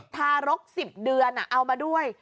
ทารก๑๐เดือนเอามาด้วย